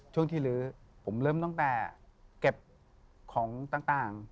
ช่วงที่ลื้อผมเริ่มตั้งแต่เก็บของต่าง